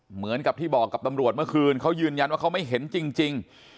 เหมือนกับที่บอกกับตำรวจเมื่อคืนเขายืนยันว่าเขาไม่เห็นจริง